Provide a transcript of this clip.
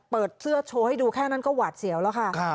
เปิดเสื้อโชว์ให้ดูแค่นั้นก็หวาดเสียวแล้วค่ะ